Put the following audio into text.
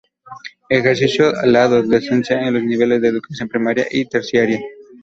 Ejerció la docencia en los niveles de educación primaria y terciaria.